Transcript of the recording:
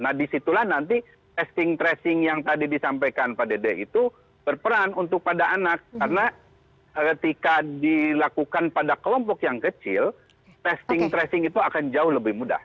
nah disitulah nanti testing tracing yang tadi disampaikan pak dede itu berperan untuk pada anak karena ketika dilakukan pada kelompok yang kecil testing tracing itu akan jauh lebih mudah